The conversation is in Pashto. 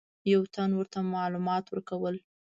یو تن ورته معلومات ورکول.